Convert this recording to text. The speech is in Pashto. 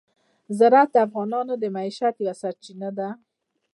زراعت د افغانانو د معیشت یوه سرچینه ده.